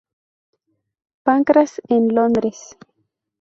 Pancras en Londres.